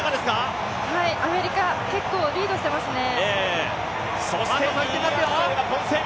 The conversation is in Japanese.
アメリカ、結構リードしてますね。